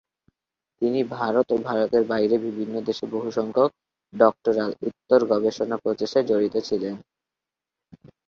তিনি ভারত ও ভারতের বাইরে বিভিন্ন দেশে বহুসংখ্যক ডক্টরাল-উত্তর গবেষণা প্রচেষ্টায় জড়িত ছিলেন।